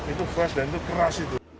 itu fresh dan itu keras itu